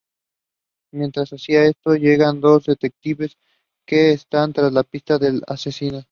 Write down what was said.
Mientras hacía esto, llegan dos detectives que están tras la pista del asesino.